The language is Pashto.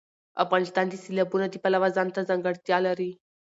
افغانستان د سیلابونه د پلوه ځانته ځانګړتیا لري.